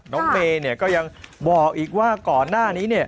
น้องเมย์ก็ยังบอกอีกว่าก่อนหน้านี้